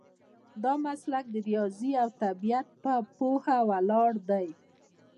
دا مسلک د ریاضي او طبیعت په پوهه ولاړ دی.